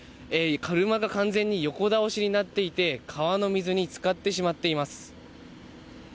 車が完全に横倒しになっていて川の水に漬かってしまっています。